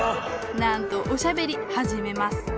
なんとおしゃべりはじめます